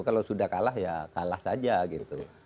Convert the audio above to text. kalau sudah kalah ya kalah saja gitu